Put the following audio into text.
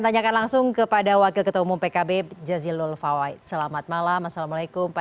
tanyakan langsung kepada wakil ketua umum pkb jazilul fawait selamat malam assalamualaikum pak